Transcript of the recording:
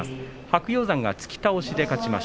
白鷹山が突き倒しの勝ち。